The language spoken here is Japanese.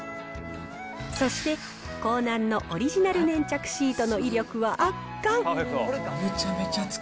そしてコーナンのオリジナル粘着シートの威力は圧巻。